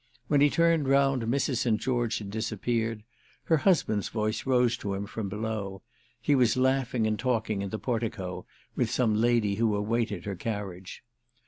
When he turned round Mrs. St. George had disappeared; her husband's voice rose to him from below—he was laughing and talking, in the portico, with some lady who awaited her carriage.